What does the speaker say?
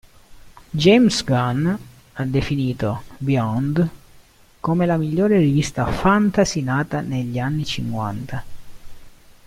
James Gunn ha definito "Beyond" come la miglior rivista fantasy nata negli anni cinquanta.